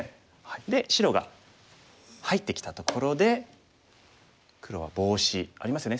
で白が入ってきたところで黒はボウシ。ありますよね。